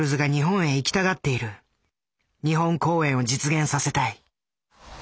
「日本公演を実現させたい」。